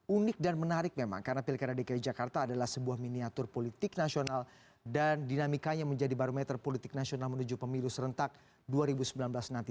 unik dan menarik memang karena pilkada dki jakarta adalah sebuah miniatur politik nasional dan dinamikanya menjadi barometer politik nasional menuju pemilu serentak dua ribu sembilan belas nanti